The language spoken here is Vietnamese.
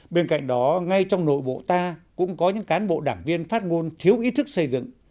bên cạnh đó ngay trong nội bộ ta cũng có những cán bộ đảng viên phát ngôn thiếu ý thức xây dựng